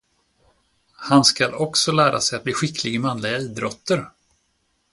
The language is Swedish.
Han skall också lära sig att bli skicklig i manliga idrotter.